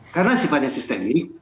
karena sifatnya sistemik